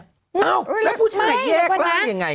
อ้าวแล้วผู้ชายแยกไปอย่างไร